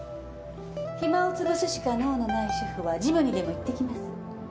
暇をつぶすしか能のない主婦はジムにでも行ってきます。